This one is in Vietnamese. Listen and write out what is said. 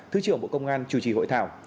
thứ trưởng bộ công an chủ trì hội thảo